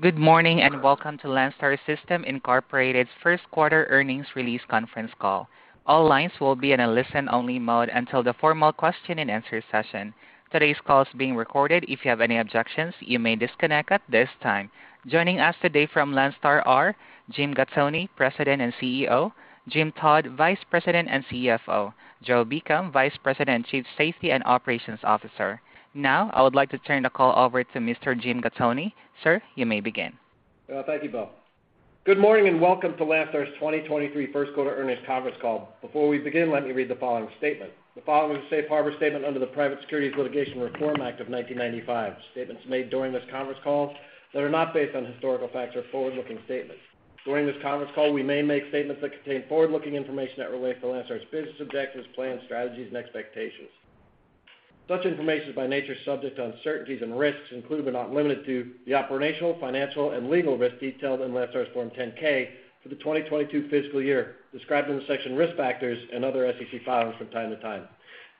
Good morning, welcome to Landstar System, Inc.'s first quarter earnings release conference call. All lines will be in a listen-only mode until the formal question-and-answer session. Today's call is being recorded. If you have any objections, you may disconnect at this time. Joining us today from Landstar are Jim Gattoni, President and CEO, Jim Todd, Vice President and CFO, Joe Beacom, Vice President and Chief Safety and Operations Officer. Now, I would like to turn the call over to Mr. Jim Gattoni. Sir, you may begin. Thank you, Bill. Good morning, welcome to Landstar's 2023 first quarter earnings conference call. Before we begin, let me read the following statement. The following is a safe harbor statement under the Private Securities Litigation Reform Act of 1995. Statements made during this conference call that are not based on historical facts are forward-looking statements. During this conference call, we may make statements that contain forward-looking information that relates to Landstar's business objectives, plans, strategies, and expectations. Such information is by nature subject to uncertainties and risks, including but not limited to the operational, financial, and legal risks detailed in Landstar's Form 10-K for the 2022 fiscal year described in the section Risk Factors and other SEC filings from time to time.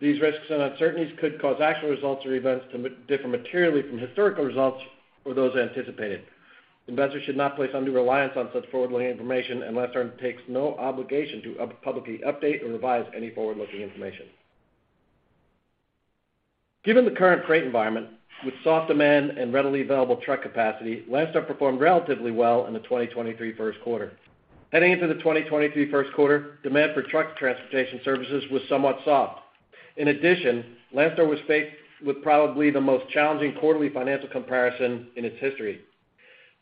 These risks and uncertainties could cause actual results or events to differ materially from historical results or those anticipated. Investors should not place undue reliance on such forward-looking information. Landstar undertakes no obligation to publicly update or revise any forward-looking information. Given the current freight environment, with soft demand and readily available truck capacity, Landstar performed relatively well in the 2023 first quarter. Heading into the 2023 first quarter, demand for truck transportation services was somewhat soft. In addition, Landstar was faced with probably the most challenging quarterly financial comparison in its history.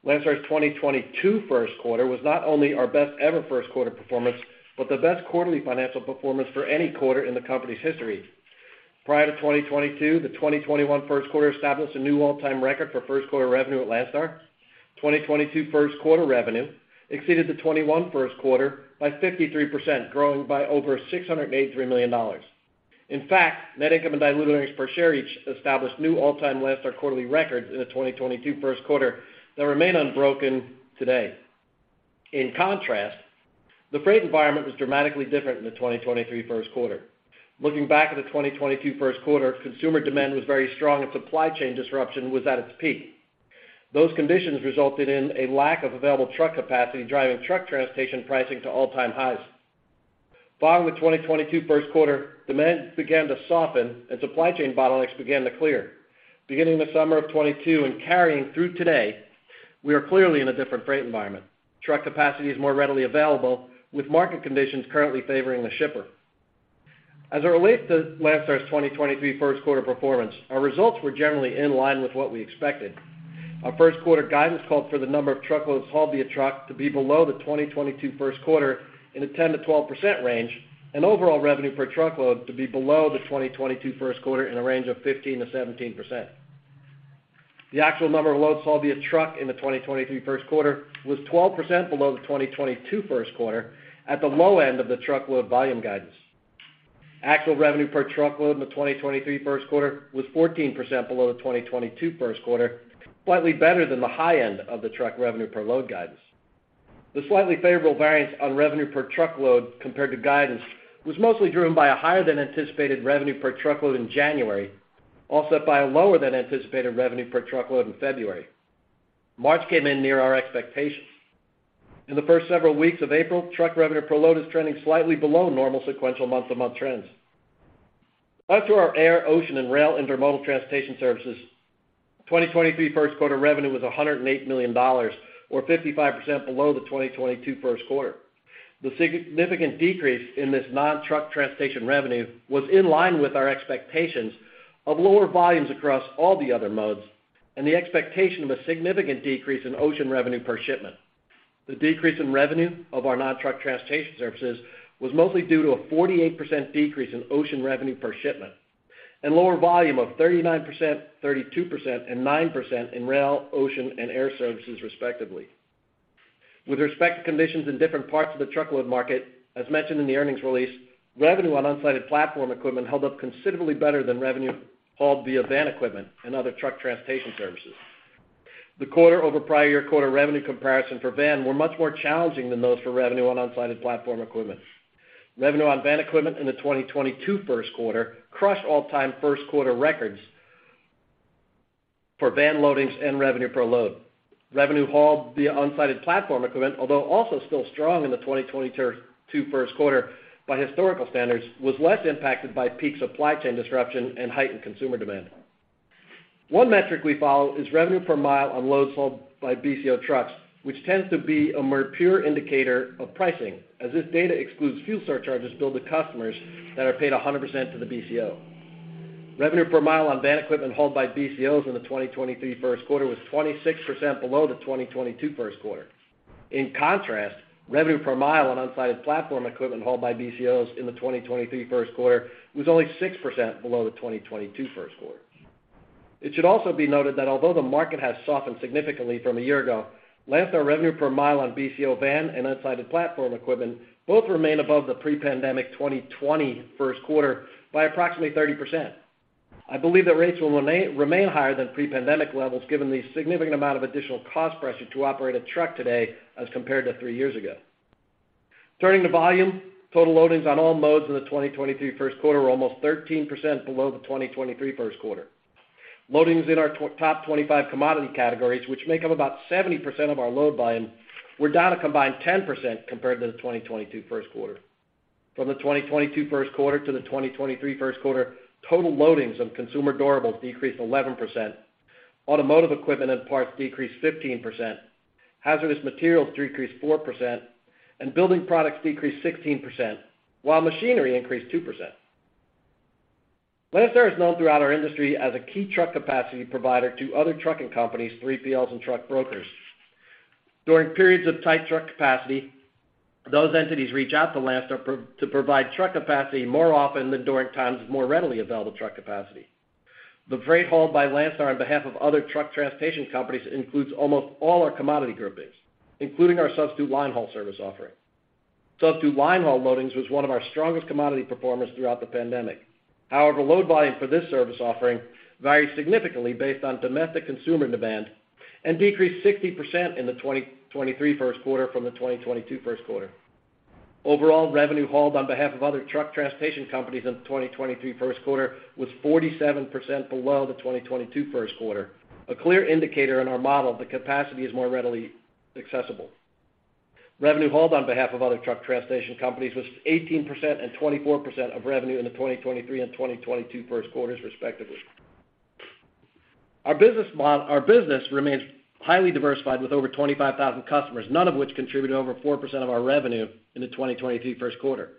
Landstar's 2022 first quarter was not only our best ever first quarter performance, but the best quarterly financial performance for any quarter in the company's history. Prior to 2022, the 2021 first quarter established a new all-time record for first quarter revenue at Landstar. 2022 first quarter revenue exceeded the 2021 first quarter by 53%, growing by over $683 million. In fact, net income and diluted earnings per share each established new all-time Landstar quarterly records in the 2022 first quarter that remain unbroken today. In contrast, the freight environment was dramatically different in the 2023 first quarter. Looking back at the 2022 first quarter, consumer demand was very strong and supply chain disruption was at its peak. Those conditions resulted in a lack of available truck capacity, driving truck transportation pricing to all-time highs. Following the 2022 first quarter, demand began to soften and supply chain bottlenecks began to clear. Beginning the summer of 2022 and carrying through today, we are clearly in a different freight environment. Truck capacity is more readily available, with market conditions currently favoring the shipper. As it relates to Landstar's 2023 first quarter performance, our results were generally in line with what we expected. Our first quarter guidance called for the number of truckloads hauled via truck to be below the 2022 first quarter in a 10%-12% range, and overall revenue per truckload to be below the 2022 first quarter in a range of 15%-17%. The actual number of loads hauled via truck in the 2023 first quarter was 12% below the 2022 first quarter at the low end of the truckload volume guidance. Actual revenue per truckload in the 2023 first quarter was 14% below the 2022 first quarter, slightly better than the high end of the truck revenue per load guidance. The slightly favorable variance on revenue per truckload compared to guidance was mostly driven by a higher than anticipated revenue per truckload in January, offset by a lower than anticipated revenue per truckload in February. March came in near our expectations. In the first several weeks of April, truck revenue per load is trending slightly below normal sequential month-to-month trends. As to our air, ocean and rail intermodal transportation services, 2023 first quarter revenue was $108 million, or 55% below the 2022 first quarter. The significant decrease in this non-truck transportation revenue was in line with our expectations of lower volumes across all the other modes and the expectation of a significant decrease in ocean revenue per shipment. The decrease in revenue of our non-truck transportation services was mostly due to a 48% decrease in ocean revenue per shipment and lower volume of 39%, 32%, and 9% in rail, ocean, and air services, respectively. With respect to conditions in different parts of the truckload market, as mentioned in the earnings release, revenue on unsided/platform equipment held up considerably better than revenue hauled via van equipment and other truck transportation services. The quarter over prior year quarter revenue comparison for van were much more challenging than those for revenue on unsided/platform equipment. Revenue on van equipment in the 2022 first quarter crushed all-time first quarter records for van loadings and revenue per load. Revenue hauled via unsided/platform equipment, although also still strong in the 2022 first quarter by historical standards, was less impacted by peak supply chain disruption and heightened consumer demand. One metric we follow is revenue per mile on loads hauled by BCO trucks, which tends to be a more pure indicator of pricing, as this data excludes fuel surcharges billed to customers that are paid 100% to the BCO. Revenue per mile on van equipment hauled by BCOs in the 2023 first quarter was 26% below the 2022 first quarter. In contrast, revenue per mile on unsided platform equipment hauled by BCOs in the 2023 first quarter was only 6% below the 2022 first quarter. It should also be noted that although the market has softened significantly from a year ago, Landstar revenue per mile on BCO van and unsided platform equipment both remain above the pre-pandemic 2020 first quarter by approximately 30%. I believe that rates will remain higher than pre-pandemic levels given the significant amount of additional cost pressure to operate a truck today as compared to three years ago. Turning to volume, total loadings on all modes in the 2023 first quarter were almost 13% below the 2023 first quarter. Loadings in our top 25 commodity categories, which make up about 70% of our load volume, were down a combined 10% compared to the 2022 first quarter. From the 2022 first quarter to the 2023 first quarter, total loadings of consumer durables decreased 11%, automotive equipment and parts decreased 15%, hazardous materials decreased 4%, and building products decreased 16%, while machinery increased 2%. Landstar is known throughout our industry as a key truck capacity provider to other trucking companies, 3PLs, and truck brokers. During periods of tight truck capacity, those entities reach out to Landstar to provide truck capacity more often than during times of more readily available truck capacity. The freight hauled by Landstar on behalf of other truck transportation companies includes almost all our commodity groupings, including our substitute line haul service offering. Substitute line haul loadings was one of our strongest commodity performers throughout the pandemic. Load volume for this service offering varies significantly based on domestic consumer demand and decreased 60% in the 2023 first quarter from the 2022 first quarter. Revenue hauled on behalf of other truck transportation companies in the 2023 first quarter was 47% below the 2022 first quarter, a clear indicator in our model that capacity is more readily accessible. Revenue hauled on behalf of other truck transportation companies was 18% and 24% of revenue in the 2023 and 2022 1st quarters, respectively. Our business remains highly diversified with over 25,000 customers, none of which contribute over 4% of our revenue in the 2023 1st quarter.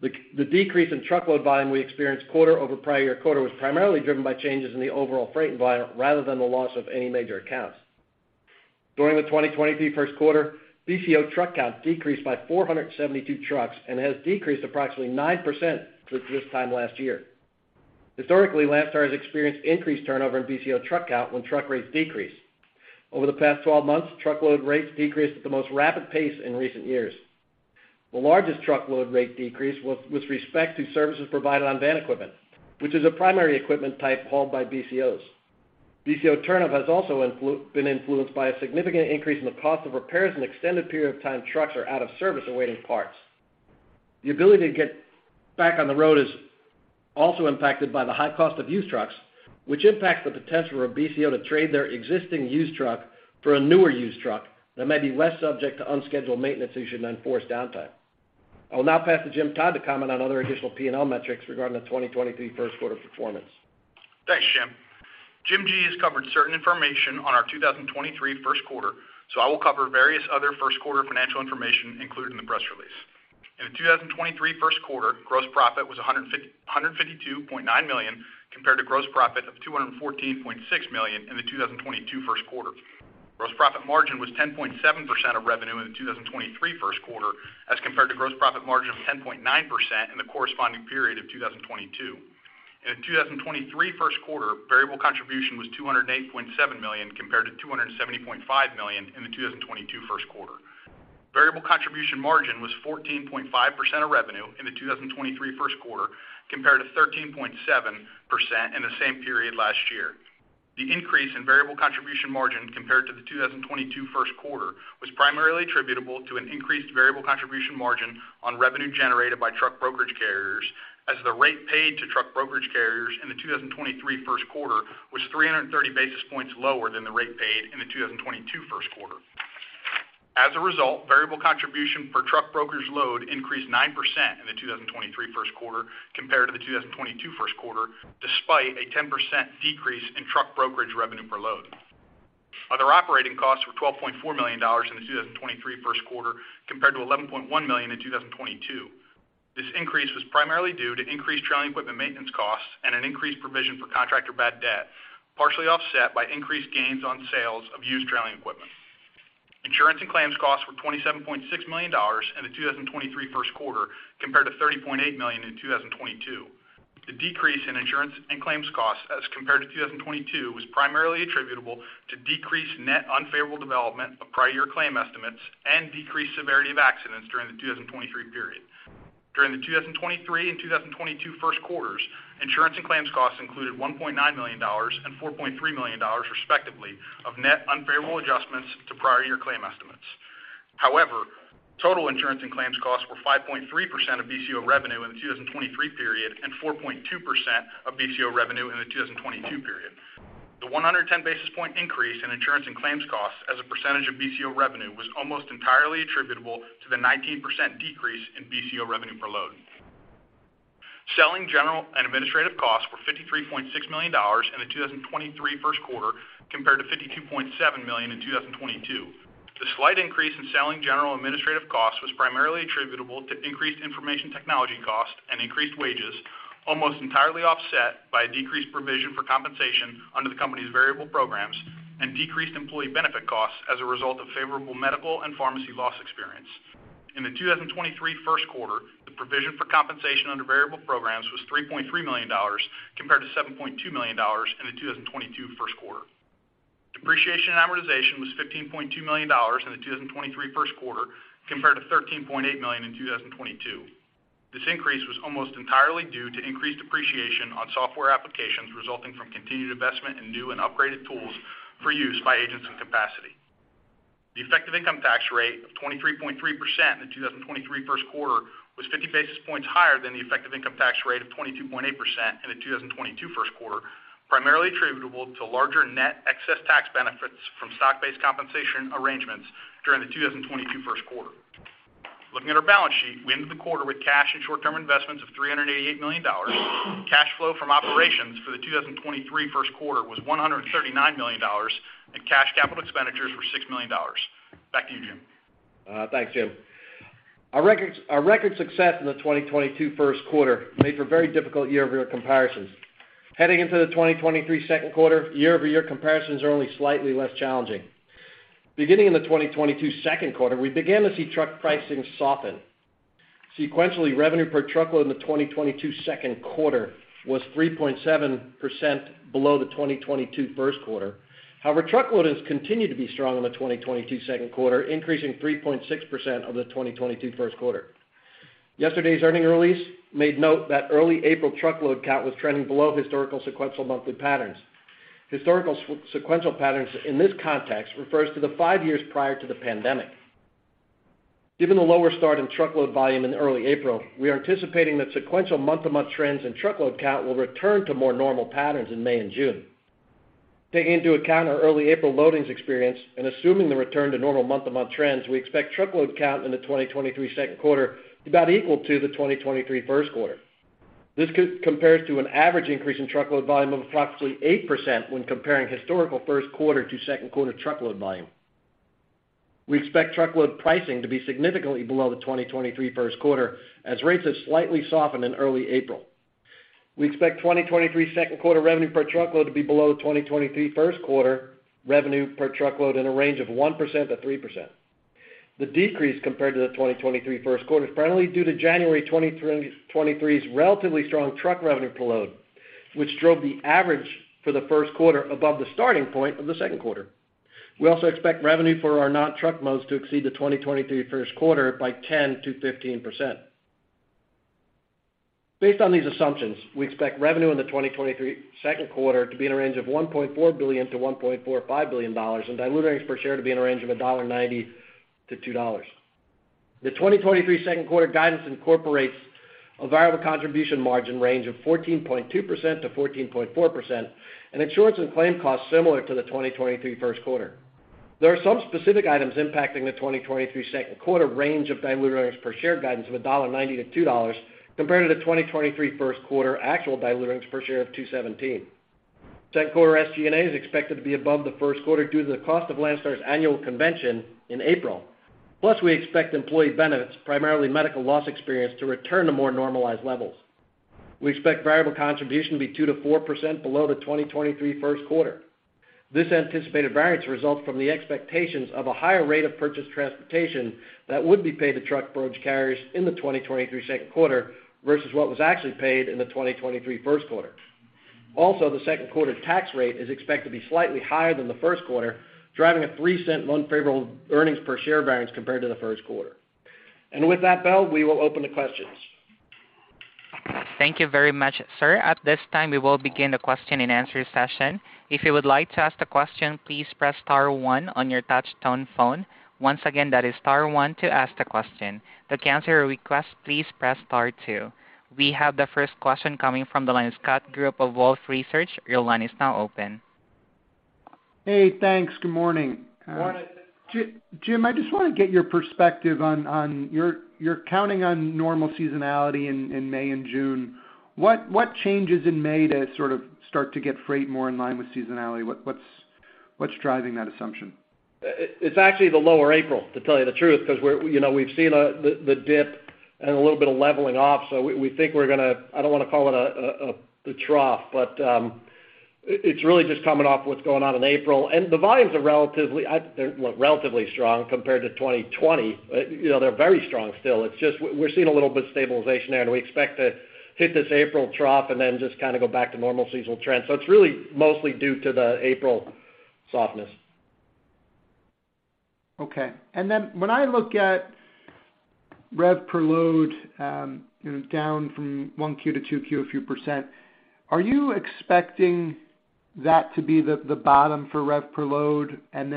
The decrease in truckload volume we experienced quarter-over-prior-year quarter was primarily driven by changes in the overall freight environment rather than the loss of any major accounts. During the 2023 1st quarter, BCO truck count decreased by 472 trucks and has decreased approximately 9% since this time last year. Historically, Landstar has experienced increased turnover in BCO truck count when truck rates decrease. Over the past 12 months, truckload rates decreased at the most rapid pace in recent years. The largest truckload rate decrease was with respect to services provided on van equipment, which is a primary equipment type hauled by BCOs. BCO turnover has also been influenced by a significant increase in the cost of repairs and extended period of time trucks are out of service awaiting parts. The ability to get back on the road is also impacted by the high cost of used trucks, which impacts the potential for a BCO to trade their existing used truck for a newer used truck that may be less subject to unscheduled maintenance issues and enforced downtime. I will now pass to Jim Todd to comment on other additional P&L metrics regarding the 2023 first quarter performance. Thanks, Jim. Jim G. has covered certain information on our 2023 first quarter. I will cover various other first quarter financial information included in the press release. In the 2023 first quarter, Gross profit was $152.9 million, compared to Gross profit of $214.6 million in the 2022 first quarter. Gross profit margin was 10.7% of revenue in the 2023 first quarter as compared to Gross profit margin of 10.9% in the corresponding period of 2022. In the 2023 first quarter, Variable contribution was $208.7 million compared to $270.5 million in the 2022 first quarter. Variable contribution margin was 14.5% of revenue in the 2023 first quarter compared to 13.7% in the same period last year. The increase in variable contribution margin compared to the 2022 first quarter was primarily attributable to an increased variable contribution margin on revenue generated by Truck Brokerage Carriers, as the rate paid to Truck Brokerage Carriers in the 2023 first quarter was 330 basis points lower than the rate paid in the 2022 first quarter. Variable contribution for truck brokers load increased 9% in the 2023 first quarter compared to the 2022 first quarter, despite a 10% decrease in Truck Brokerage revenue per load. Other operating costs were $12.4 million in the 2023 first quarter compared to $11.1 million in 2022. This increase was primarily due to increased trailing equipment maintenance costs and an increased provision for contractor bad debt, partially offset by increased gains on sales of used trailing equipment. Insurance and claims costs were $27.6 million in the 2023 first quarter compared to $30.8 million in 2022. The decrease in insurance and claims costs as compared to 2022 was primarily attributable to decreased net unfavorable development of prior year claim estimates and decreased severity of accidents during the 2023 period. During the 2023 and 2022 first quarters, insurance and claims costs included $1.9 million and $4.3 million, respectively, of net unfavorable adjustments to prior year claim estimates. However, total insurance and claims costs were 5.3% of BCO revenue in the 2023 period and 4.2% of BCO revenue in the 2022 period. The 110 basis point increase in insurance and claims costs as a percentage of BCO revenue was almost entirely attributable to the 19% decrease in BCO revenue per load. Selling general and administrative costs were $53.6 million in the 2023 first quarter compared to $52.7 million in 2022. The slight increase in SG&A costs was primarily attributable to increased information technology costs and increased wages, almost entirely offset by decreased provision for compensation under the company's variable programs and decreased employee benefit costs as a result of favorable medical and pharmacy loss experience. In the 2023 first quarter, the provision for compensation under variable programs was $3.3 million compared to $7.2 million in the 2022 first quarter. Depreciation and amortization was $15.2 million in the 2023 first quarter compared to $13.8 million in 2022. This increase was almost entirely due to increased depreciation on software applications resulting from continued investment in new and upgraded tools for use by agents and capacity. The effective income tax rate of 23.3% in the 2023 first quarter was 50 basis points higher than the effective income tax rate of 22.8% in the 2022 first quarter, primarily attributable to larger net excess tax benefits from stock-based compensation arrangements during the 2022 first quarter. Looking at our balance sheet, we ended the quarter with cash and short-term investments of $388 million. Cash flow from operations for the 2023 first quarter was $139 million, and cash CapEx were $6 million. Back to you, Jim. Thanks, Jim. Our records, our record success in the 2022 first quarter made for very difficult year-over-year comparisons. Heading into the 2023 second quarter, year-over-year comparisons are only slightly less challenging. Beginning in the 2022 second quarter, we began to see truck pricing soften. Sequentially, revenue per truckload in the 2022 second quarter was 3.7% below the 2022 first quarter. Truckload has continued to be strong in the 2022 second quarter, increasing 3.6% over the 2022 first quarter. Yesterday's earning release made note that early April truckload count was trending below historical sequential monthly patterns. Historical sequential patterns in this context refers to the five years prior to the pandemic. Given the lower start in truckload volume in early April, we are anticipating that sequential month-to-month trends in truckload count will return to more normal patterns in May and June. Taking into account our early April loadings experience and assuming the return to normal month-to-month trends, we expect truckload count in the 2023 second quarter to be about equal to the 2023 first quarter. This compares to an average increase in truckload volume of approximately 8% when comparing historical first quarter to second quarter truckload volume. We expect truckload pricing to be significantly below the 2023 first quarter, as rates have slightly softened in early April. We expect 2023 second quarter revenue per truckload to be below 2023 first quarter revenue per truckload in a range of 1%-3%. The decrease compared to the 2023 first quarter is primarily due to January 2023's relatively strong revenue per truckload, which drove the average for the first quarter above the starting point of the second quarter. We also expect revenue for our non-truck modes to exceed the 2023 first quarter by 10%-15%. Based on these assumptions, we expect revenue in the 2023 second quarter to be in a range of $1.4 billion-$1.45 billion, and diluted earnings per share to be in a range of $1.90-$2.00. The 2023 second quarter guidance incorporates a variable contribution margin range of 14.2%-14.4%, and insurance and claim costs similar to the 2023 first quarter. There are some specific items impacting the 2023 second quarter range of diluted earnings per share guidance of $1.90-$2.00 compared to the 2023 first quarter actual diluted earnings per share of $2.17. Second quarter SG&A is expected to be above the first quarter due to the cost of Landstar's annual convention in April. We expect employee benefits, primarily medical loss experience, to return to more normalized levels. We expect variable contribution to be 2%-4% below the 2023 first quarter. This anticipated variance results from the expectations of a higher rate of purchased transportation that would be paid to Truck Brokerage Carriers in the 2023 second quarter versus what was actually paid in the 2023 first quarter. The second quarter tax rate is expected to be slightly higher than the first quarter, driving a $0.03 unfavorable earnings per share variance compared to the first quarter. With that, Bill, we will open to questions. Thank you very much, sir. At this time, we will begin the question and answer session. If you would like to ask a question, please press star one on your touch tone phone. Once again, that is star one to ask the question. To cancel your request, please press star two. We have the first question coming from the line of Scott Group of Wolfe Research. Your line is now open. Hey, thanks. Good morning. Good morning. Jim, I just want to get your perspective on you're counting on normal seasonality in May and June. What changes in May to sort of start to get freight more in line with seasonality? What's driving that assumption? It's actually the lower April, to tell you the truth, 'cause we're, you know, we've seen the dip and a little bit of leveling off. We think we're gonna, I don't want to call it a trough, but it's really just coming off what's going on in April. The volumes are relatively, they're relatively strong compared to 2020. You know, they're very strong still. It's just, we're seeing a little bit of stabilization there, we expect to hit this April trough and just kind of go back to normal seasonal trends. It's really mostly due to the April softness. Okay. When I look at rev per load, down from 1Q to 2Q a few percent, are you expecting that to be the bottom for rev per load? You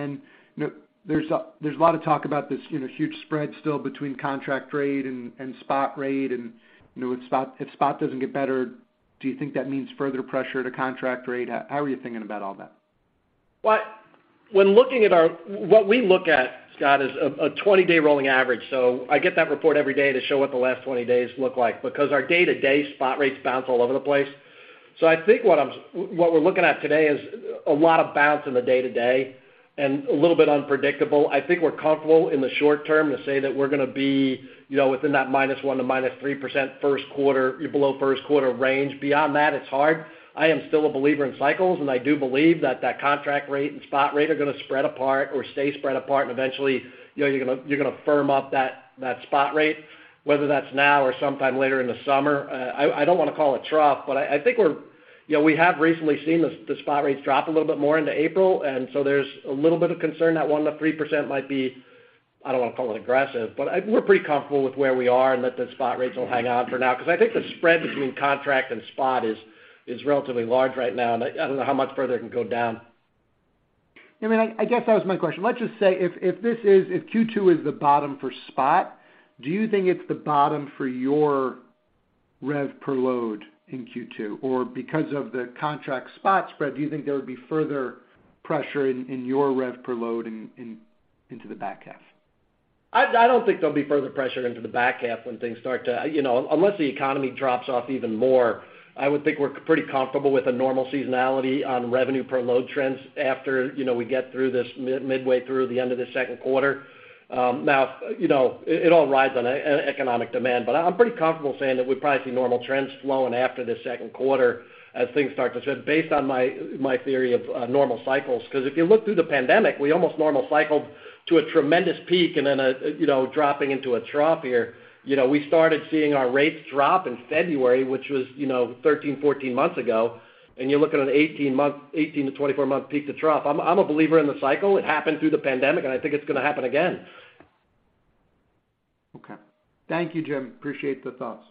know, there's a lot of talk about this, you know, huge spread still between contract rate and spot rate. You know, if spot doesn't get better, do you think that means further pressure to contract rate? How are you thinking about all that? When looking at what we look at, Scott, is a 20-day rolling average. I get that report every day to show what the last 20 days look like, because our day-to-day spot rates bounce all over the place. I think what we're looking at today is a lot of bounce in the day to day and a little bit unpredictable. I think we're comfortable in the short term to say that we're gonna be, you know, within that -1% to -3% first quarter, below first quarter range. Beyond that, it's hard. I am still a believer in cycles. I do believe that contract rate and spot rate are gonna spread apart or stay spread apart. Eventually, you know, you're gonna firm up that spot rate, whether that's now or sometime later in the summer. I don't want to call it trough, but I think, you know, we have recently seen the spot rates drop a little bit more into April. There's a little bit of concern that 1%-3% might be, I don't wanna call it aggressive, but we're pretty comfortable with where we are and let the spot rates will hang on for now because I think the spread between contract and spot is relatively large right now, and I don't know how much further it can go down. I mean, I guess that was my question. Let's just say if this is, if Q2 is the bottom for spot, do you think it's the bottom for your rev per load in Q2? Because of the contract spot spread, do you think there would be further pressure in your rev per load into the back half? I don't think there'll be further pressure into the back half when things start to. You know, unless the economy drops off even more, I would think we're pretty comfortable with a normal seasonality on revenue per load trends after, you know, we get through this midway through the end of the second quarter. Now, you know, it all rides on economic demand, but I'm pretty comfortable saying that we probably see normal trends flowing after the second quarter as things start to shift based on my theory of normal cycles. 'Cause if you look through the pandemic, we almost normal cycled to a tremendous peak and then a, you know, dropping into a trough here. You know, we started seeing our rates drop in February, which was, you know, 13, 14 months ago, and you're looking at an 18-month, 18-24-month peak to trough. I'm a believer in the cycle. It happened through the pandemic, and I think it's gonna happen again. Okay. Thank you, Jim. Appreciate the thoughts.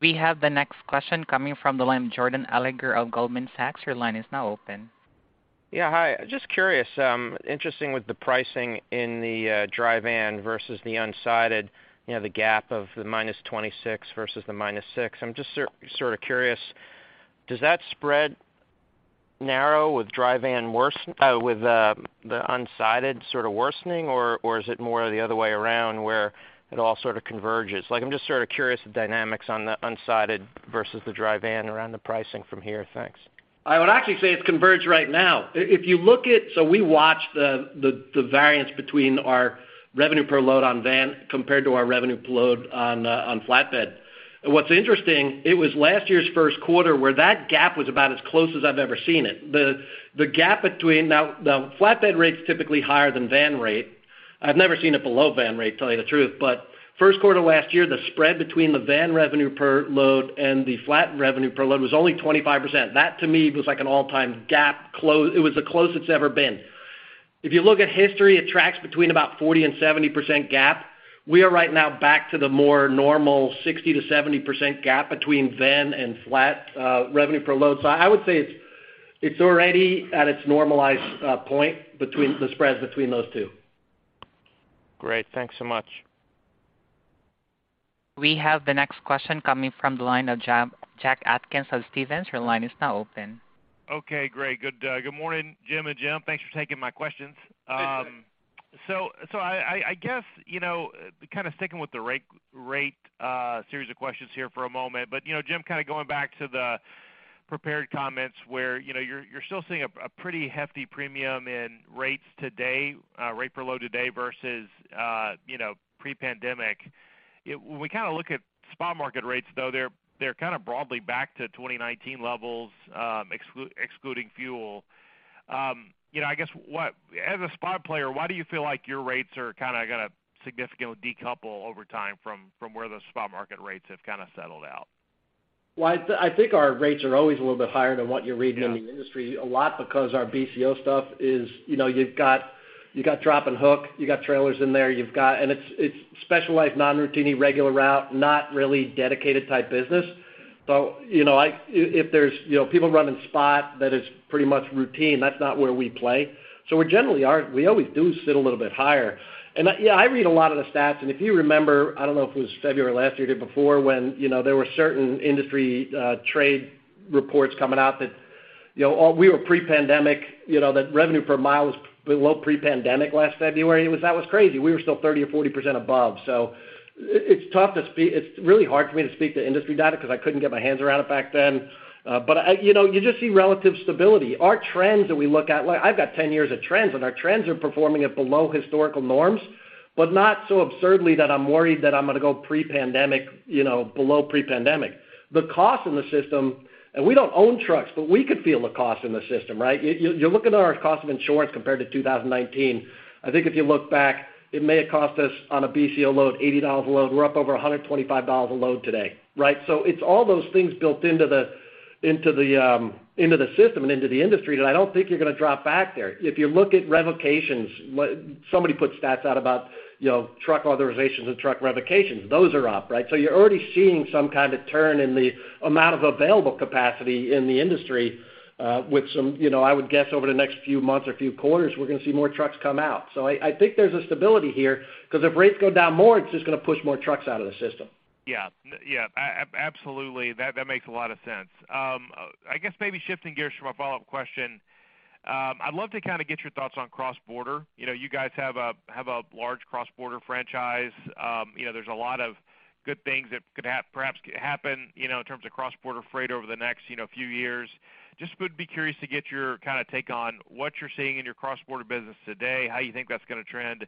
We have the next question coming from the line of Jordan Alliger of Goldman Sachs. Your line is now open. Yeah. Hi. Just curious, interesting with the pricing in the dry van versus the unsided, you know, the gap of the -26 versus the -6. I'm just sort of curious, does that spread narrow with dry van worsen, with the unsided sort of worsening, or is it more the other way around, where it all sort of converges? Like, I'm just sort of curious the dynamics on the unsided versus the dry van around the pricing from here. Thanks. I would actually say it's converged right now. If you look at, we watch the variance between our revenue per load on van compared to our revenue per load on flatbed. What's interesting, it was last year's first quarter where that gap was about as close as I've ever seen it. The gap between, the flatbed rate's typically higher than van rate. I've never seen it below van rate, tell you the truth. First quarter last year, the spread between the van revenue per load and the flat revenue per load was only 25%. That to me was like an all-time gap close. It was the closest it's ever been. If you look at history, it tracks between about 40% and 70% gap. We are right now back to the more normal 60%-70% gap between van and flat, revenue per load. I would say it's already at its normalized point between the spreads between those two. Great. Thanks so much. We have the next question coming from the line of Jack Atkins of Stephens. Your line is now open. Okay. Great. Good morning, Jim and Jim. Thanks for taking my questions. Please do. So I guess, you know, kind of sticking with the rate series of questions here for a moment. You know, Jim, kind of going back to the prepared comments where, you know, you're still seeing a pretty hefty premium in rates today, rate per load today versus, you know, pre-pandemic. When we kind of look at spot market rates, though, they're kind of broadly back to 2019 levels, excluding fuel. You know, I guess what, as a spot player, why do you feel like your rates are kind of gonna significantly decouple over time from where the spot market rates have kind of settled out? I think our rates are always a little bit higher than what you're reading in the industry, a lot because our BCO stuff is, you know, you've got drop and hook, you got trailers in there, you've got. It's specialized, non-routiny, regular route, not really dedicated type business. You know, if there's, you know, people running spot that is pretty much routine, that's not where we play. We're generally are. We always do sit a little bit higher. Yeah, I read a lot of the stats, and if you remember, I don't know if it was February last year or before, when, you know, there were certain industry trade reports coming out that, you know, we were pre-pandemic, you know, that revenue per mile was below pre-pandemic last February. It was, that was crazy. We were still 30% or 40% above. It's really hard for me to speak to industry data because I couldn't get my hands around it back then. You know, you just see relative stability. Our trends that we look at, like I've got 10 years of trends, our trends are performing at below historical norms, not so absurdly that I'm worried that I'm gonna go pre-pandemic, you know, below pre-pandemic. The cost in the system, we don't own trucks, we could feel the cost in the system, right? You're looking at our cost of insurance compared to 2019. I think if you look back, it may have cost us on a BCO load, $80 a load. We're up over $125 a load today, right? It's all those things built into the, into the, into the system and into the industry that I don't think you're gonna drop back there. If you look at revocations, somebody put stats out about, you know, truck authorizations and truck revocations. Those are up, right? You're already seeing some kind of turn in the amount of available capacity in the industry, you know, I would guess over the next few months or few quarters, we're gonna see more trucks come out. I think there's a stability here because if rates go down more, it's just gonna push more trucks out of the system. Yeah. Yeah. Absolutely. That makes a lot of sense. I guess maybe shifting gears for my follow-up question, I'd love to kind of get your thoughts on cross-border. You know, you guys have a large cross-border franchise. You know, there's a lot of good things that could perhaps happen, you know, in terms of cross-border freight over the next, you know, few years. Just would be curious to get your kind of take on what you're seeing in your cross-border business today, how you think that's gonna trend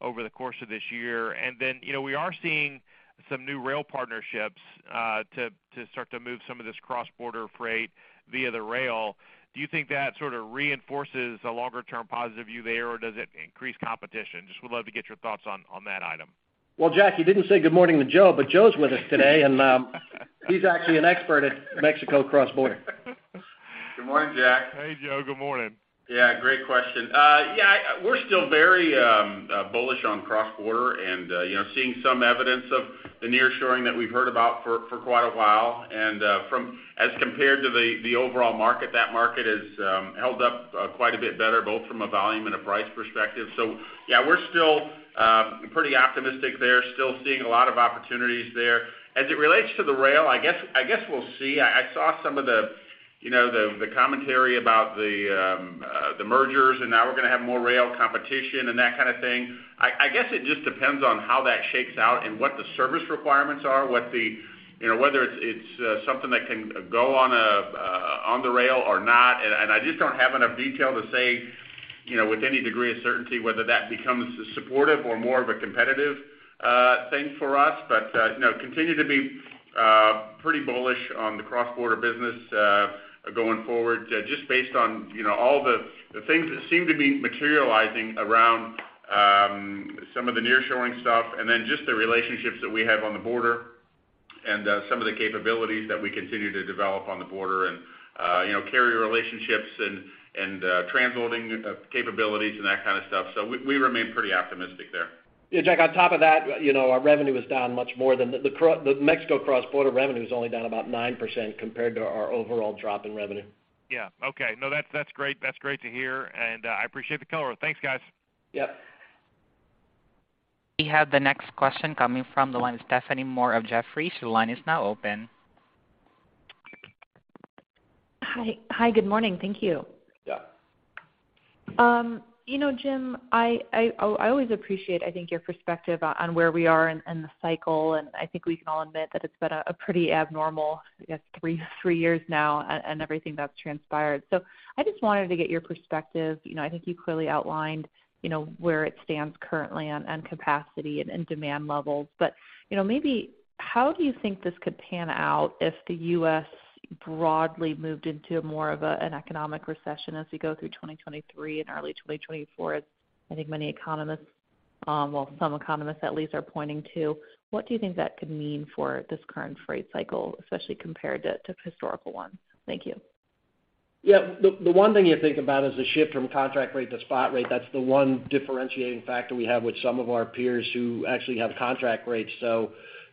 over the course of this year. You know, we are seeing some new rail partnerships to start to move some of this cross-border freight via the rail. Do you think that sort of reinforces a longer-term positive view there, or does it increase competition? Just would love to get your thoughts on that item. Jack, you didn't say good morning to Joe, but Joe's with us today, and he's actually an expert at Mexico cross-border. Good morning, Jack. Hey, Joe. Good morning. Yeah, great question. Yeah, we're still very bullish on cross-border and, you know, seeing some evidence of the nearshoring that we've heard about for quite a while. As compared to the overall market, that market has held up quite a bit better, both from a volume and a price perspective. Yeah, we're still pretty optimistic there, still seeing a lot of opportunities there. As it relates to the rail, I guess we'll see. I saw some of the, you know, the commentary about the mergers, and now we're gonna have more rail competition and that kind of thing. I guess it just depends on how that shakes out and what the service requirements are, what the, you know, whether it's something that can go on the rail or not. I just don't have enough detail to say, you know, with any degree of certainty whether that becomes supportive or more of a competitive thing for us. You know, continue to be pretty bullish on the cross-border business going forward, just based on, you know, all the things that seem to be materializing around some of the nearshoring stuff and then just the relationships that we have on the border and some of the capabilities that we continue to develop on the border and, you know, carrier relationships and transloading capabilities and that kind of stuff. We remain pretty optimistic there. Yeah, Jack, on top of that, you know, our revenue is down much more than the Mexico cross-border revenue is only down about 9% compared to our overall drop in revenue. Yeah. Okay. No, that's great. That's great to hear. I appreciate the color. Thanks, guys. Yep. We have the next question coming from the line of Stephanie Moore of Jefferies. Your line is now open. Hi. Good morning. Thank you. Yeah. You know, Jim, I always appreciate, I think, your perspective on where we are in the cycle, and I think we can all admit that it's been a pretty abnormal, I guess, three years now and everything that's transpired. I just wanted to get your perspective. You know, I think you clearly outlined, you know, where it stands currently on capacity and demand levels. You know, maybe how do you think this could pan out if the U.S. broadly moved into more of an economic recession as we go through 2023 and early 2024, as I think many economists, well, some economists at least are pointing to. What do you think that could mean for this current freight cycle, especially compared to historical ones? Thank you. Yeah. The one thing you think about is the shift from contract rate to spot rate. That's the one differentiating factor we have with some of our peers who actually have contract rates.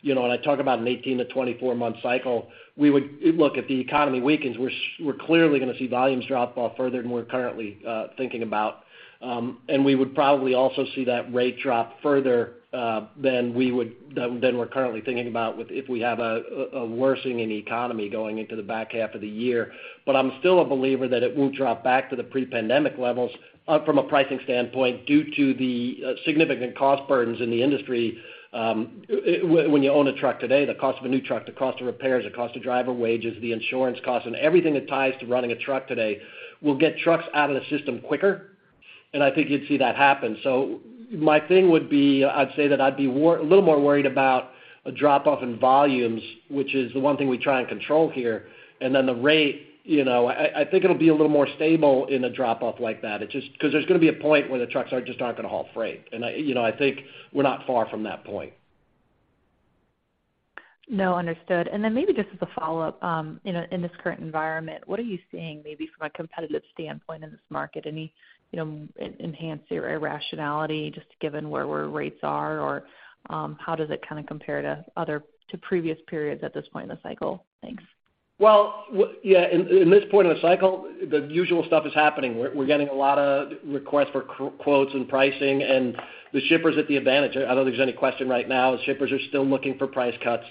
You know, when I talk about an 18-24-month cycle, we would look, if the economy weakens, we're clearly gonna see volumes drop off further than we're currently thinking about. We would probably also see that rate drop further than we would than we're currently thinking about with if we have a worsening in economy going into the back half of the year. I'm still a believer that it won't drop back to the pre-pandemic levels from a pricing standpoint, due to the significant cost burdens in the industry. When you own a truck today, the cost of a new truck, the cost of repairs, the cost of driver wages, the insurance costs, and everything that ties to running a truck today will get trucks out of the system quicker, and I think you'd see that happen. My thing would be, I'd say that I'd be a little more worried about a drop-off in volumes, which is the one thing we try and control here. Then the rate, you know, I think it'll be a little more stable in a drop-off like that. It just 'cause there's gonna be a point where the trucks are just not gonna haul freight. I, you know, I think we're not far from that point. No, understood. Maybe just as a follow-up, in this current environment, what are you seeing maybe from a competitive standpoint in this market? Any, you know, irrationality just given where rates are, or, how does it kind of compare to other, to previous periods at this point in the cycle? Thanks. Yeah, in this point in the cycle, the usual stuff is happening. We're getting a lot of requests for quotes and pricing, and the shipper is at the advantage. I don't think there's any question right now. The shippers are still looking for price cuts,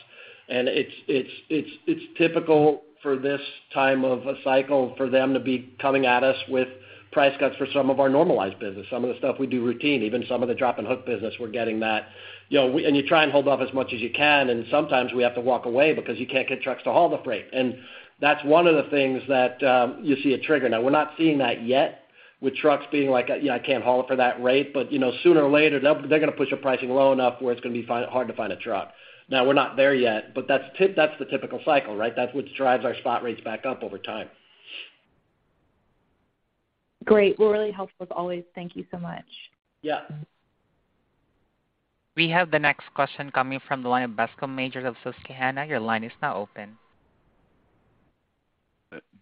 and it's typical for this time of a cycle for them to be coming at us with price cuts for some of our normalized business, some of the stuff we do routine, even some of the drop and hook business, we're getting that. You know, and you try and hold off as much as you can, and sometimes we have to walk away because you can't get trucks to haul the freight. That's one of the things that you see a trigger. Now, we're not seeing that yet with trucks being like, you know, I can't haul it for that rate. you know, sooner or later, they're gonna push the pricing low enough where it's gonna be hard to find a truck. Now, we're not there yet, but that's the typical cycle, right? That's what drives our spot rates back up over time. Great. Really helpful as always. Thank you so much. Yeah. We have the next question coming from the line of Bascome Majors of Susquehanna. Your line is now open.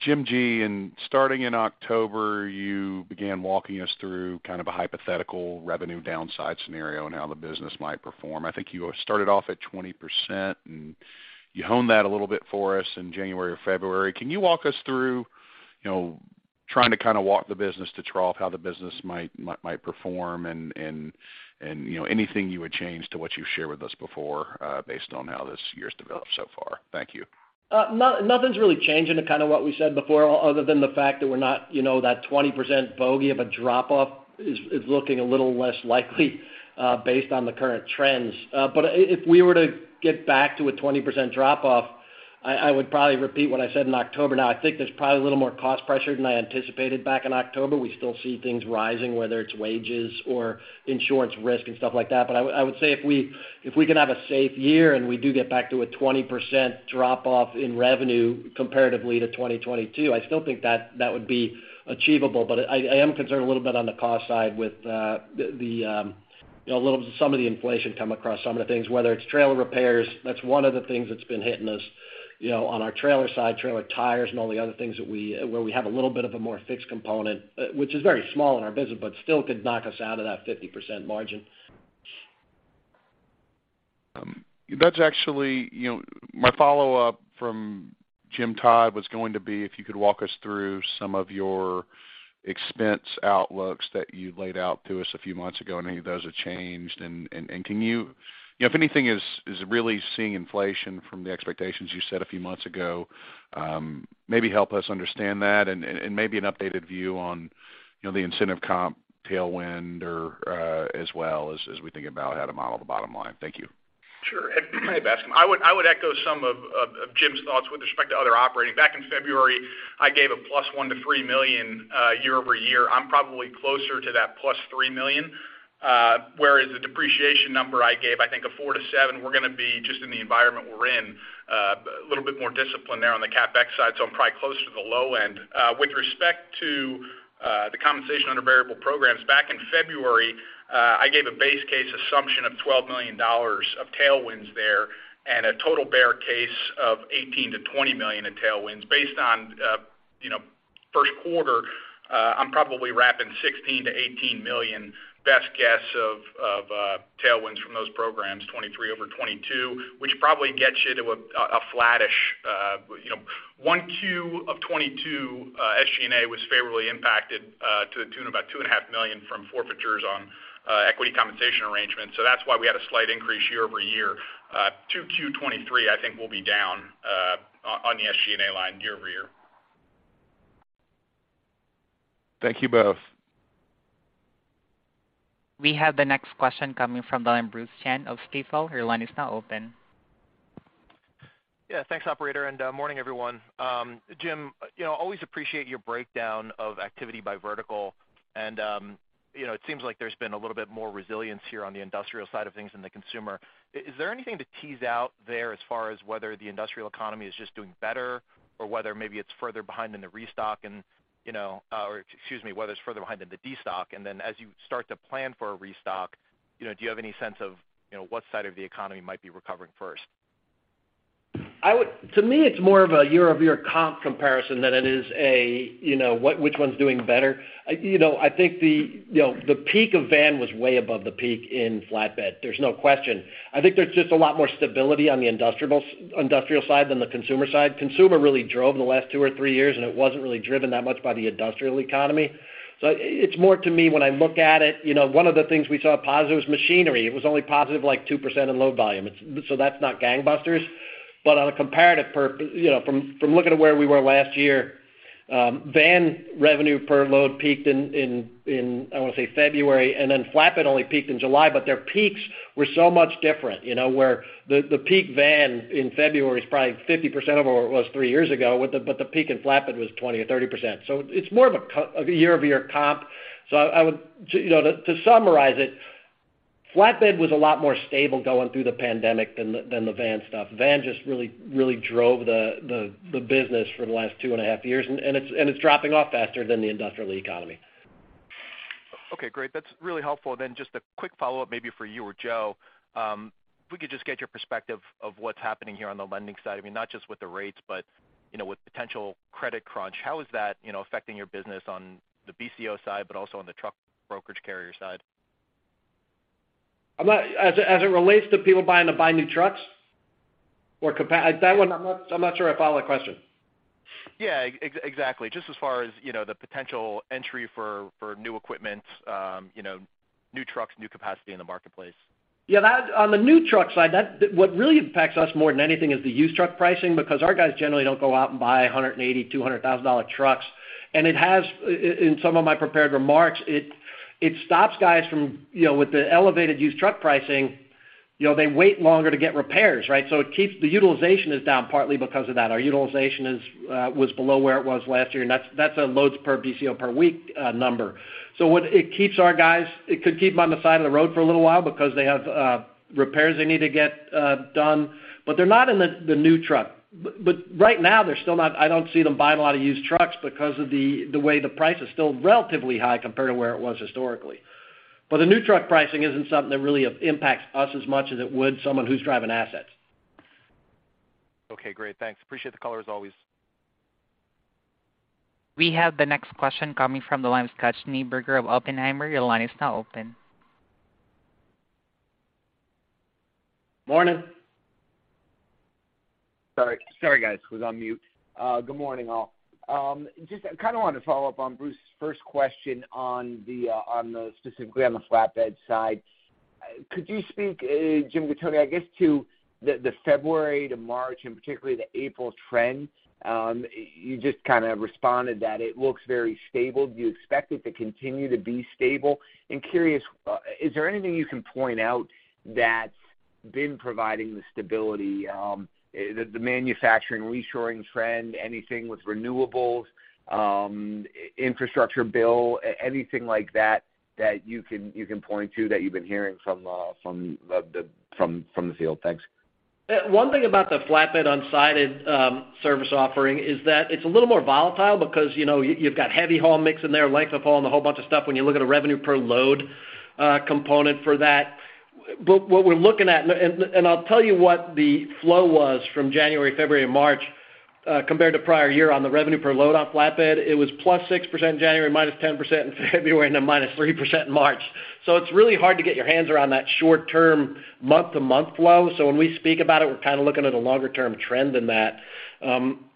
Jim G., in starting in October, you began walking us through kind of a hypothetical revenue downside scenario and how the business might perform. I think you started off at 20%, you honed that a little bit for us in January or February. Can you walk us through, you know, trying to kind of walk the business to trough how the business might perform and, you know, anything you would change to what you've shared with us before, based on how this year's developed so far? Thank you. Nothing's really changing to kind of what we said before, other than the fact that we're not, you know, that 20% bogie of a drop-off is looking a little less likely, based on the current trends. If we were to get back to a 20% drop-off, I would probably repeat what I said in October. Now, I think there's probably a little more cost pressure than I anticipated back in October. We still see things rising, whether it's wages or insurance risk and stuff like that. I would say if we can have a safe year, and we do get back to a 20% drop-off in revenue comparatively to 2022, I still think that would be achievable. I am concerned a little bit on the cost side with, you know, some of the inflation come across some of the things, whether it's trailer repairs. That's one of the things that's been hitting us. You know, on our trailer side, trailer tires and all the other things where we have a little bit of a more fixed component, which is very small in our business, but still could knock us out of that 50% margin. That's actually, you know, my follow-up from Jim Todd was going to be if you could walk us through some of your expense outlooks that you laid out to us a few months ago and any of those have changed. Can you know, if anything is really seeing inflation from the expectations you set a few months ago, maybe help us understand that and maybe an updated view on, you know, the incentive comp tailwind or as well as we think about how to model the bottom line? Thank you. Sure. I would echo some of Jim's thoughts with respect to other operating. Back in February, I gave a +$1 million-$3 million year-over-year. I'm probably closer to that +$3 million, whereas the depreciation number I gave, I think a $4 million-$7 million, we're gonna be just in the environment we're in, a little bit more disciplined there on the CapEx side, so I'm probably close to the low end. With respect to the compensation under variable programs, back in February, I gave a base case assumption of $12 million of tailwinds there and a total bear case of $18 million-$20 million in tailwinds. Based on, you know, first quarter, I'm probably wrapping $16 million-$18 million best guess of tailwinds from those programs, 2023 over 2022, which probably gets you to a flattish, you know. 1Q of 2022, SG&A was favorably impacted to the tune of about $2.5 million from forfeitures on equity compensation arrangements. That's why we had a slight increase year-over-year. 2Q 2023, I think we'll be down on the SG&A line year-over-year. Thank you both. We have the next question coming from the line of Bruce Chan of Stifel. Your line is now open. Yeah. Thanks operator, and morning, everyone. Jim, you know, always appreciate your breakdown of activity by vertical and, you know, it seems like there's been a little bit more resilience here on the industrial side of things than the consumer. Is there anything to tease out there as far as whether the industrial economy is just doing better or whether maybe it's further behind than the restock and, you know, or excuse me, whether it's further behind than the destock? Then as you start to plan for a restock, you know, do you have any sense of, you know, what side of the economy might be recovering first? To me, it's more of a year-over-year comp comparison than it is a, you know, which one's doing better. You know, I think the, you know, the peak of van was way above the peak in flatbed. There's no question. I think there's just a lot more stability on the industrial side than the consumer side. Consumer really drove the last two or three years, and it wasn't really driven that much by the industrial economy. It's more to me when I look at it, you know, one of the things we saw positive was machinery. It was only positive, like, 2% in load volume. That's not gangbusters. On a comparative, you know, from looking at where we were last year, van revenue per load peaked in I wanna say February, flatbed only peaked in July. Their peaks were so much different, you know, where the peak van in February is probably 50% of where it was three years ago, the peak in flatbed was 20% or 30%. It's more of a year-over-year comp. To, you know, to summarize it, flatbed was a lot more stable going through the pandemic than the van stuff. Van just really drove the business for the last two and a half years, and it's dropping off faster than the industrial economy. Okay, great. That's really helpful. Just a quick follow-up maybe for you or Joe. If we could just get your perspective of what's happening here on the lending side. I mean, not just with the rates, but, you know, with potential credit crunch. How is that, you know, affecting your business on the BCO side but also on the Truck Brokerage Carrier side? As it relates to people buying to buy new trucks. Is that one? I'm not sure I follow the question. Yeah, exactly. Just as far as, you know, the potential entry for new equipment, new trucks, new capacity in the marketplace. Yeah, on the new truck side, what really impacts us more than anything is the used truck pricing because our guys generally don't go out and buy $180,000-$200,000 trucks. It has, in some of my prepared remarks, it stops guys from, you know, with the elevated used truck pricing, you know, they wait longer to get repairs, right? It keeps the utilization is down partly because of that. Our utilization was below where it was last year, and that's a loads per BCO per week number. What it keeps our guys, it could keep them on the side of the road for a little while because they have repairs they need to get done. They're not in the new truck. Right now they're still not I don't see them buying a lot of used trucks because of the way the price is still relatively high compared to where it was historically. The new truck pricing isn't something that really impacts us as much as it would someone who's driving assets. Okay, great. Thanks. Appreciate the color as always. We have the next question coming from the line of Scott Schneeberger of Oppenheimer. Your line is now open. Morning. Sorry, guys. Was on mute. Good morning, all. Just I kinda wanted to follow up on Bruce's first question on the specifically on the flatbed side. Could you speak, Jim Gattoni, I guess to the February to March and particularly the April trends? You just kinda responded that it looks very stable. Do you expect it to continue to be stable? Curious, is there anything you can point out that's been providing the stability? The manufacturing reshoring trend, anything with renewables, infrastructure bill, anything like that you can point to that you've been hearing from the field? Thanks. One thing about the flatbed unsided service offering is that it's a little more volatile because, you know, you've got heavy haul mix in there, length of haul, and a whole bunch of stuff when you look at a revenue per load component for that. What we're looking at, and I'll tell you what the flow was from January, February, and March, compared to prior year on the revenue per load on flatbed, it was +6% January, -10% in February, and then -3% in March. It's really hard to get your hands around that short term, month-to-month flow. When we speak about it, we're kind of looking at a longer term trend than that. When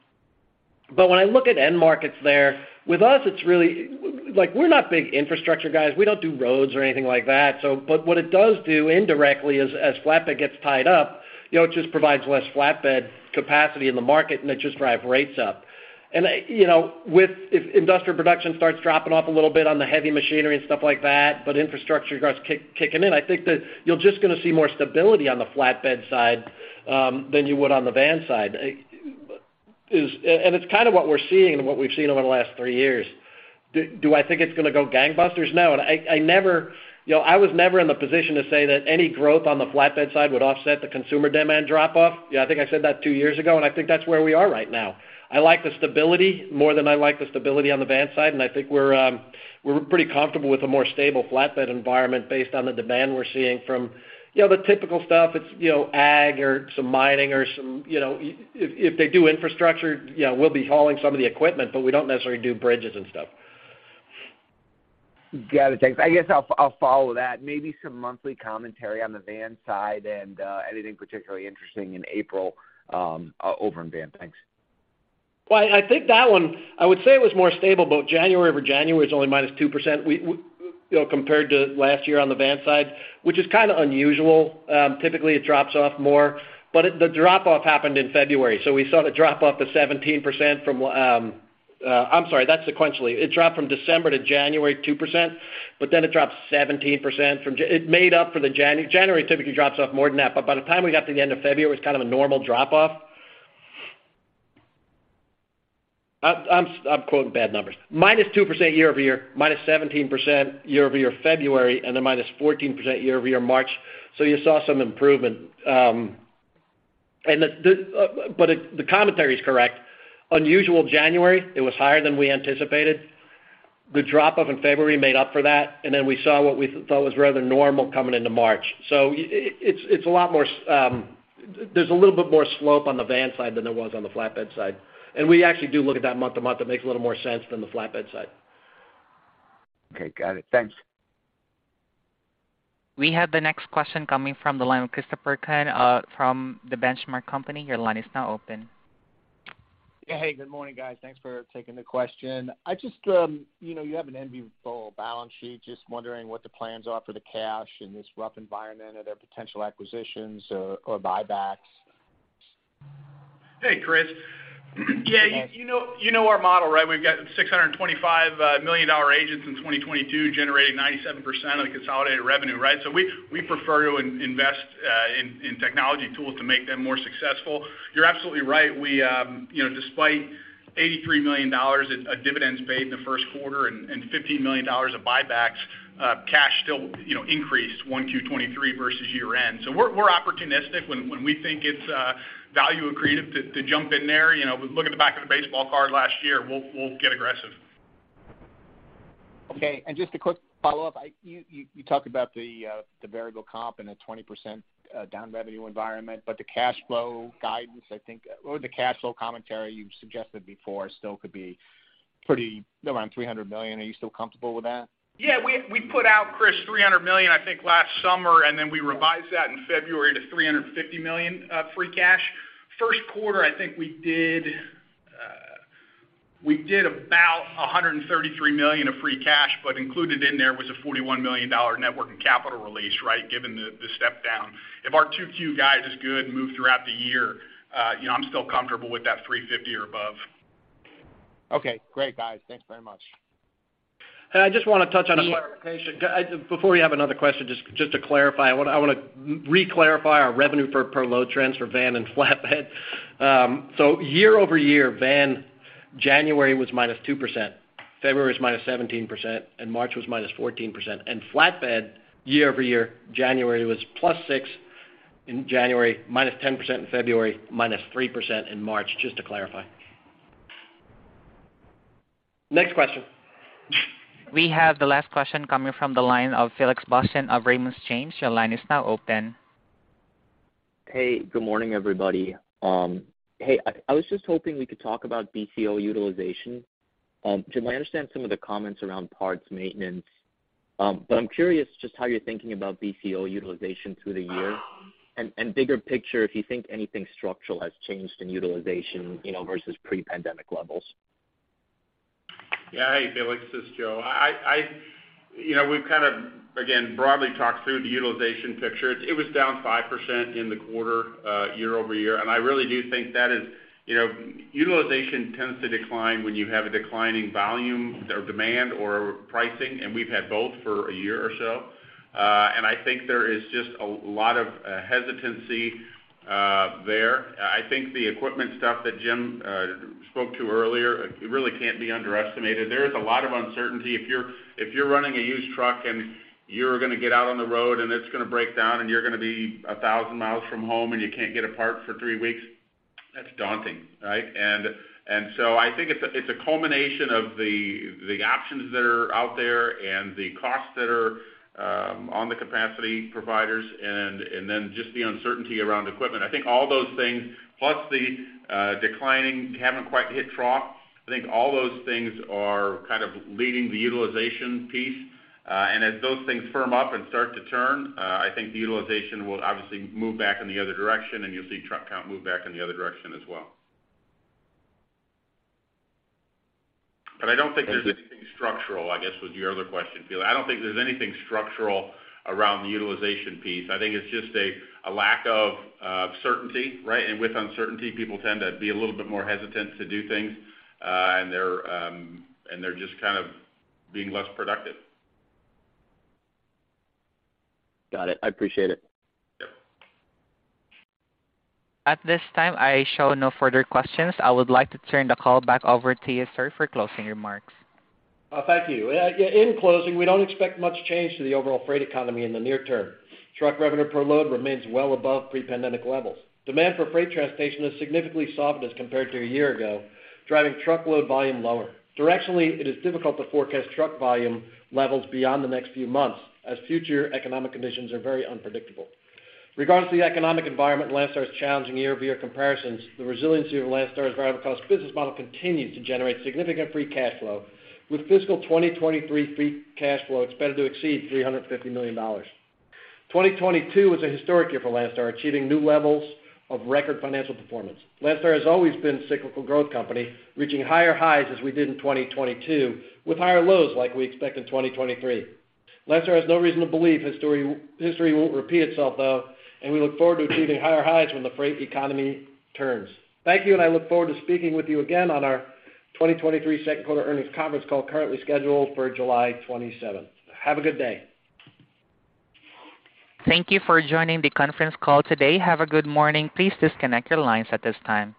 I look at end markets there, with us, it's really, like we're not big infrastructure guys. We don't do roads or anything like that. What it does do indirectly is as flatbed gets tied up, you know, it just provides less flatbed capacity in the market, and it just drive rates up. You know, if industrial production starts dropping off a little bit on the heavy machinery and stuff like that, but infrastructure starts kicking in, I think that you're just gonna see more stability on the flatbed side than you would on the van side. It's kind of what we're seeing and what we've seen over the last three years. Do I think it's gonna go gangbusters? No. I never, you know, I was never in the position to say that any growth on the flatbed side would offset the consumer demand drop off. Yeah, I think I said that two years ago. I think that's where we are right now. I like the stability more than I like the stability on the van side. I think we're pretty comfortable with a more stable flatbed environment based on the demand we're seeing from, you know, the typical stuff. It's, you know, ag or some mining or some, you know, if they do infrastructure, you know, we'll be hauling some of the equipment, but we don't necessarily do bridges and stuff. Got it. Thanks. I guess I'll follow that. Maybe some monthly commentary on the van side and anything particularly interesting in April over in van. Thanks. Well, I think that one, I would say it was more stable. Both January over January is only -2%. We, you know, compared to last year on the van side, which is kind of unusual. Typically it drops off more. The drop off happened in February, so we saw the drop off of 17% from, I'm sorry, that's sequentially. It dropped from December to January 2%, but then it dropped 17% from January. It made up for the January typically drops off more than that, but by the time we got to the end of February, it was kind of a normal drop off. I'm quoting bad numbers. -2% year-over-year, -17% year-over-year February, and then -14% year-over-year March. You saw some improvement. The commentary is correct. Unusual January, it was higher than we anticipated. The drop off in February made up for that, and then we saw what we thought was rather normal coming into March. It's a lot more, there's a little bit more slope on the van side than there was on the flatbed side. We actually do look at that month to month. It makes a little more sense than the flatbed side. Okay, got it. Thanks. We have the next question coming from the line of Christopher Kuhn, from The Benchmark Company. Your line is now open. Yeah. Hey, good morning, guys. Thanks for taking the question. I just, you know, you have an enviable balance sheet. Just wondering what the plans are for the cash in this rough environment. Are there potential acquisitions or buybacks? Hey, Chris. Yeah, you know, you know our model, right? We've got $625 million agents in 2022 generating 97% of the consolidated revenue, right? We prefer to invest in technology tools to make them more successful. You're absolutely right. We, you know, despite $83 million in dividends paid in the first quarter and $15 million of buybacks, cash still, you know, increased 1Q 2023 versus year-end. We're opportunistic when we think it's value accretive to jump in there. You know, we look at the back of the baseball card last year, we'll get aggressive. Okay. Just a quick follow-up. You talked about the variable comp and the 20% down revenue environment. The cash flow guidance, I think, or the cash flow commentary you've suggested before still could be pretty around $300 million. Are you still comfortable with that? Yeah, we put out, Chris, $300 million, I think, last summer, and then we revised that in February to $350 million free cash. First quarter, I think we did about $133 million of free cash, but included in there was a $41 million network and capital release, right? Given the step down. If our 2Q guidance is good and move throughout the year, you know, I'm still comfortable with that $350 or above. Okay, great, guys. Thanks very much. I just wanna touch on. Before we have another question, just to clarify, I wanna re-clarify our revenue for per load trends for van and flatbed. year-over-year, van January was -2%, February was -17%, and March was -14%. flatbed year-over-year, January was +6% in January, -10% in February, -3% in March. Just to clarify. Next question. We have the last question coming from the line of Felix Boeschen of Raymond James. Your line is now open. Hey, good morning, everybody. Hey, I was just hoping we could talk about BCO utilization. Jim, I understand some of the comments around parts maintenance, but I'm curious just how you're thinking about BCO utilization through the year. Bigger picture, if you think anything structural has changed in utilization, you know, versus pre-pandemic levels. Yeah. Hey, Felix, this is Joe. I, you know, we've kind of again broadly talked through the utilization picture. It was down 5% in the quarter, year-over-year, and I really do think that is, you know, utilization tends to decline when you have a declining volume or demand or pricing, and we've had both for a year or so. I think there is just a lot of hesitancy there. I think the equipment stuff that Jim spoke to earlier, it really can't be underestimated. There is a lot of uncertainty. If you're, if you're running a used truck and you're gonna get out on the road and it's gonna break down, and you're gonna be 1,000 miles from home, and you can't get a part for three weeks. That's daunting, right? I think it's a culmination of the options that are out there and the costs that are on the capacity providers and then just the uncertainty around equipment. I think all those things, plus the declining haven't quite hit trough. I think all those things are kind of leading the utilization piece. And as those things firm up and start to turn, I think the utilization will obviously move back in the other direction, and you'll see truck count move back in the other direction as well. I don't think there's anything structural, I guess was your other question, Felix. I don't think there's anything structural around the utilization piece. I think it's just a lack of certainty, right? With uncertainty, people tend to be a little bit more hesitant to do things, and they're just kind of being less productive. Got it. I appreciate it. Yep. At this time, I show no further questions. I would like to turn the call back over to you, sir, for closing remarks. Thank you. In closing, we don't expect much change to the overall freight economy in the near term. Truck revenue per load remains well above pre-pandemic levels. Demand for freight transportation has significantly softened as compared to a year ago, driving truckload volume lower. Directionally, it is difficult to forecast truck volume levels beyond the next few months, as future economic conditions are very unpredictable. Regardless of the economic environment, Landstar's challenging year-over-year comparisons, the resiliency of Landstar's variable cost business model continues to generate significant free cash flow, with fiscal 2023 free cash flow expected to exceed $350 million. 2022 was a historic year for Landstar, achieving new levels of record financial performance. Landstar has always been a cyclical growth company, reaching higher highs as we did in 2022, with higher lows like we expect in 2023. Landstar has no reason to believe history won't repeat itself, though. We look forward to achieving higher highs when the freight economy turns. Thank you. I look forward to speaking with you again on our 2023 second quarter earnings conference call, currently scheduled for July 27th. Have a good day. Thank you for joining the conference call today. Have a good morning. Please disconnect your lines at this time.